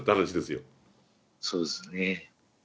そうですね。